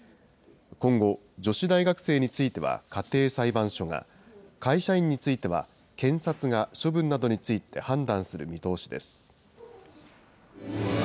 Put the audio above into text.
今後、女子大学生については家庭裁判所が、会社員については検察が処分などについて判断する見通しです。